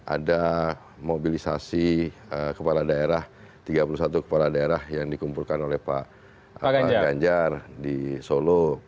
ada mobilisasi kepala daerah tiga puluh satu kepala daerah yang dikumpulkan oleh pak ganjar di solo